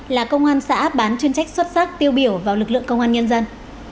là công an xã bán chuyên trách xuất sắc tiêu biểu vào lực lượng công an nhân dân